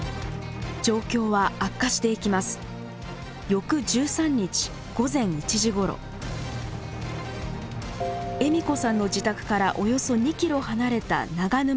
翌１３日午前１時ごろ栄美子さんの自宅からおよそ２キロ離れた長沼地区で